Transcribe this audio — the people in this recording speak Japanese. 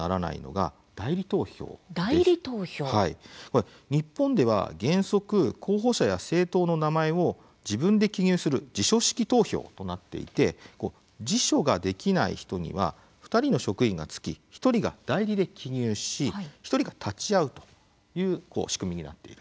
これは日本では原則候補者や政党の名前を自分で記入する自書式投票となっていて自書ができない人には２人の職員がつき１人が代理で記入し１人が立ち会うという仕組みになっているんです。